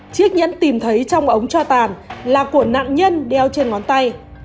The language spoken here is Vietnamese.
chiếc nhẫn tìm thấy trong ống cho tàn là của nạn nhân đeo trên ngón tay